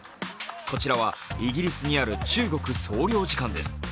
こちらはイギリスにある中国総領事館です。